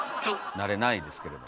慣れないですけれども。